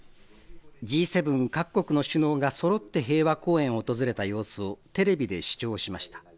Ｇ７各国の首脳がそろって平和公園を訪れた様子をテレビで視聴しました。